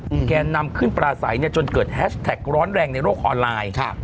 แกนำขึ้นปลาใสเนี้ยจนเกิดแฮชแท็กร้อนแรงในโลกออนไลน์ครับ